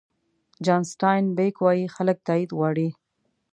جان سټاین بېک وایي خلک تایید غواړي.